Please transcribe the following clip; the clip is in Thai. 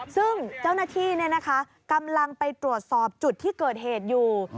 ซึ่งเจ้าหน้าที่กำลังไปตรวจสอบจุดที่เกิดเหตุอยู่